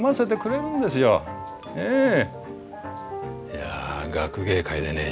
いや学芸会でね